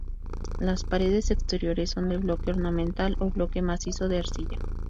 Las paredes exteriores son de bloque ornamental o bloque macizo de arcilla.